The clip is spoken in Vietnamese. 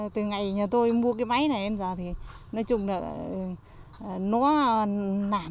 từ ngày nhà tôi mua cái máy này em ra thì nói chung là nó nản